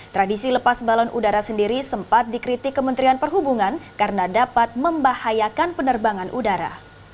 tradisi lepas balon udara sendiri sempat dikritik kementerian perhubungan karena dapat membahayakan penerbangan udara